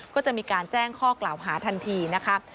ก็จะมีการแจ้งข้อกล่าวหาทันทีนะคะ